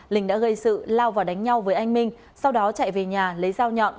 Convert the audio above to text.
linh đã gây sự lao vào đánh nhau với anh minh sau đó chạy về nhà lấy dao nhọn